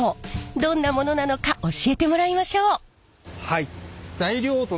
どんなものなのか教えてもらいましょう。